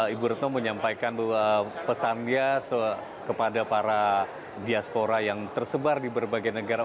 ibu retno menyampaikan pesannya kepada para diaspora yang tersebar di berbagai negara